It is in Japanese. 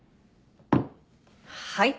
はい。